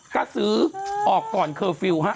กระสือออกก่อนเคอร์ฟิลล์ฮะ